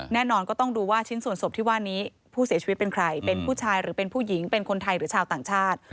แน่นอนก็ต้องดูว่าชิ้นส่วนศพที่ว่านี้ผู้เสียชีวิตเป็นใครเป็นผู้ชายหรือเป็นผู้หญิงเป็นคนไทยหรือชาวต่างชาติ